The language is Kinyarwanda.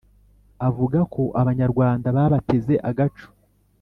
avugako abanyarwanda babateze agaco